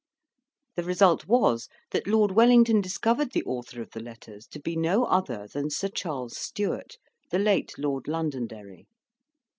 The result was, that Lord Wellington discovered the author of the letters to be no other than Sir Charles Stewart, the late Lord Londonderry.